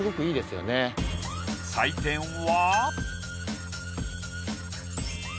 採点は。